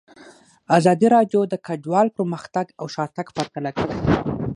ازادي راډیو د کډوال پرمختګ او شاتګ پرتله کړی.